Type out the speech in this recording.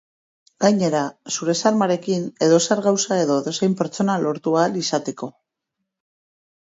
Gainera, zure xarmarekin edozer gauza edo edozein pertsona lortu ahal izateko.